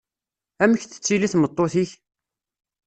Amek tettili tmeṭṭut-ik?